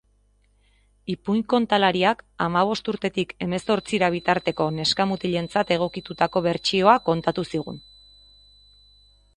Ipuin kontalariak hamabost urtetik hemezortzira bitarteko neska-mutilentzat egokitutako bertsioa kontatu zigun.